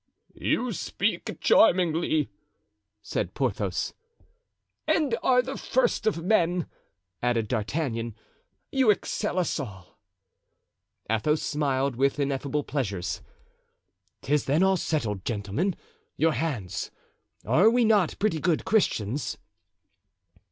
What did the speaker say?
"You speak charmingly," said Porthos. "And are the first of men!" added D'Artagnan. "You excel us all." Athos smiled with ineffable pleasure. "'Tis then all settled. Gentlemen, your hands; are we not pretty good Christians?"